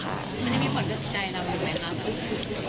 ไม่ได้มีผลให้สักใจทราบไหมครับ